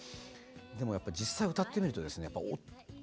でもやっぱ実際歌ってみるとですね